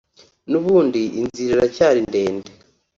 n’ubundi inzira iracyari ndende